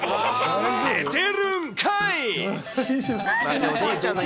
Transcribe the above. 寝てるんかい！